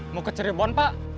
mau ke cirebon pak